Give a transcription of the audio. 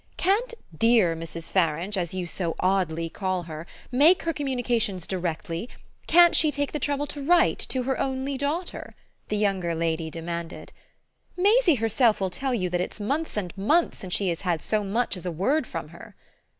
"Can't dear Mrs. Farange, as you so oddly call her, make her communications directly? Can't she take the trouble to write to her only daughter?" the younger lady demanded. "Maisie herself will tell you that it's months and months since she has had so much as a word from her."